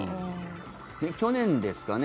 去年ですかね。